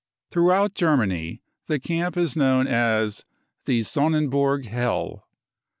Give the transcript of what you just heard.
Throughout Germany the camp is known as 4 the Sonnenburg hell.